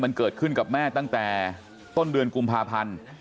มันเกิดขึ้นกับแม่ตั้งแต่ต้นเดือนกุมภาพันธ์